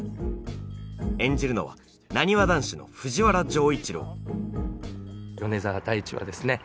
演じるのはなにわ男子の藤原丈一郎米澤大地はですね